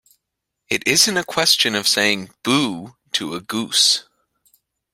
It isn't a question of saying 'boo' to a goose.